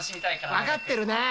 分かってるね。